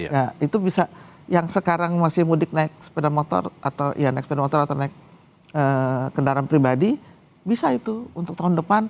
nah itu bisa yang sekarang masih mudik naik sepeda motor atau ya naik sepeda motor atau naik kendaraan pribadi bisa itu untuk tahun depan